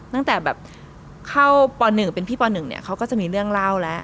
ตั้งแต่แบบเข้าป๑เป็นพี่ป๑เนี่ยเขาก็จะมีเรื่องเล่าแล้ว